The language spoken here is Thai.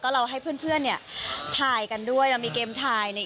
ว่าจะแล้วให้เพื่อนเนี่ยถ่ายกันด้วยรังทุกสิ้นใน